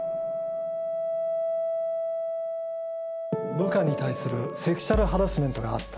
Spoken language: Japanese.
部下に対するセクシュアルハラスメントがあった。